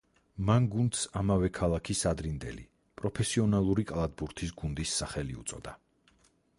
მან გუნდს ამავე ქალაქის, ადრინდელი, პროფესიონალური კალათბურთის გუნდის სახელი უწოდა.